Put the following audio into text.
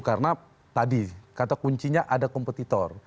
karena tadi kata kuncinya ada kompetitor